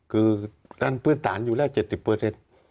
หรอบอกก็ไปอีกคือเพื่อนฝื่นศาลอยู่แล้ว๗๐เปอร์เซ็นต์